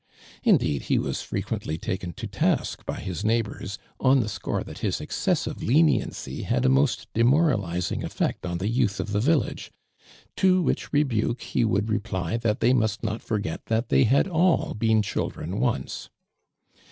Indeed, bo was frequently taken to task by his neiglil)ors on the score that his excessive leniency had a most demoralizing ctt'eot on the youth of the village, to which rebuke he would reply that they must not forget that they had all been children once.